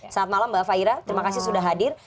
saat malam mbak fahira terima kasih sudah hadir